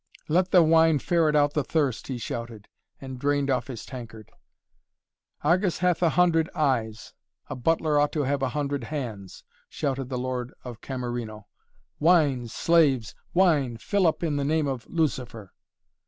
"Let the wine ferret out the thirst!" he shouted, and drained off his tankard. "Argus hath a hundred eyes! A butler ought to have a hundred hands!" shouted the Lord of Camerino. "Wine, slaves! Wine, fill up in the name of Lucifer!"